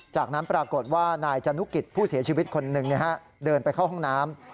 จากนั้นปรากฏว่านายจนุกิจผู้เสียชีวิตคนหนึ่งเดินไปเข้าห้องน้ำ